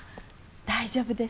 大丈夫です。